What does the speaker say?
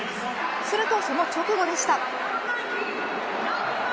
するとその直後でした。